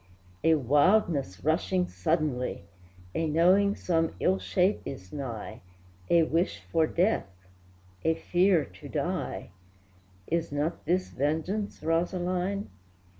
A wildness rushing suddenly, A knowing some ill shape is nigh, A wish for death, a fear to die, Is not this vengeance, Rosaline?